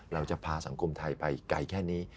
เราจะพาสังคมไทยไปไกลแค่นี้